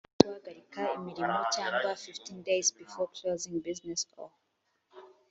mbere yo guhagarika imirimo cyangwa fifteen days before closing business or